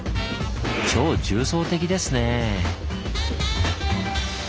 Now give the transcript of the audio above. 超重層的ですね。